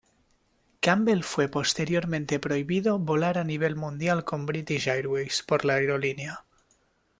Campbell fue posteriormente prohibido volar a nivel mundial con British Airways por la aerolínea.